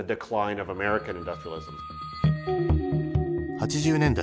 ８０年代